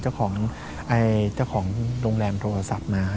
เจ้าของโรงแรมโทรศัพท์มา